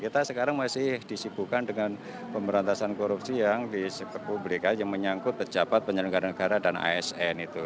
kita sekarang masih disibukkan dengan pemberantasan korupsi yang di sektor publik aja menyangkut pejabat penyelenggara negara dan asn itu